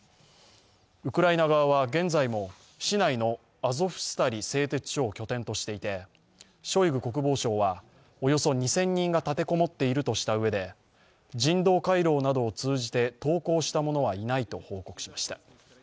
ウクライナ側は現在も市内のアゾフスタリ製鉄所を拠点としていて、ショイグ国防相はおよそ２０００人が立てこもっているとしたうえで人道回廊などを通じて投降した者はいないと報告しました。